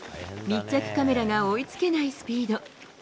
密着カメラが追いつけないスピード。